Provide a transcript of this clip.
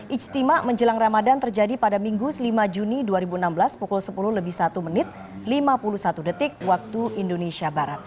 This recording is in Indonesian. ijtima menjelang ramadan terjadi pada minggu lima juni dua ribu enam belas pukul sepuluh satu lima puluh satu wib